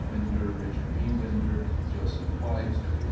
Winder, Richard B^ Winder, Joseph White, W.